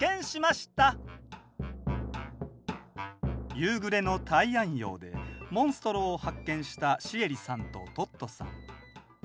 夕暮れのたいあん洋でモンストロを発見したシエリさんとトットさん。